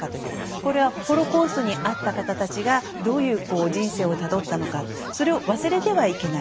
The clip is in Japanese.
これはホロコーストに遭った方々がどういう人生をたどったのかそれを忘れてはいけない。